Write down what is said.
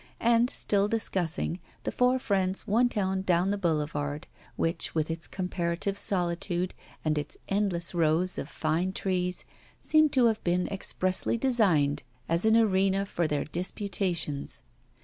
And, still discussing, the four friends went on down the boulevard, which, with its comparative solitude, and its endless rows of fine trees, seemed to have been expressly designed as an arena for their disputations.